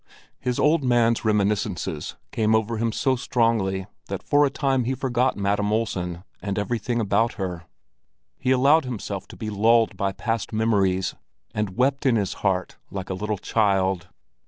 His old man's reminiscences came over him so strongly that for a time he forgot Madam Olsen and everything about her. He allowed himself to be lulled by past memories, and wept in his heart like a little child.